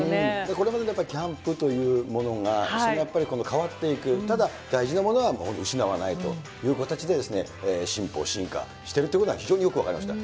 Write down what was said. これまでのキャンプというものが、それもやっぱり変わっていく、ただ、大事なものは本当失わないという形で、進歩、進化してるってことが、非常によく分かりました。